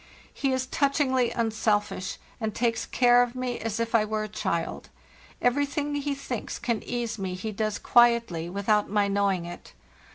He is touchingly unselfish, and takes care of me as if I were a child; everything he thinks can ease me he does quietly, without my knowing it.